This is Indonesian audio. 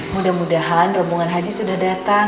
mudah mudahan rombongan haji sudah datang